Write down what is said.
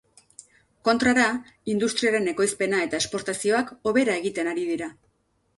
Kontrara, industriaren ekoizpena eta esportazioak hobera egiten ari dira.